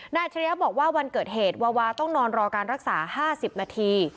อัจฉริยะบอกว่าวันเกิดเหตุวาวาต้องนอนรอการรักษา๕๐นาที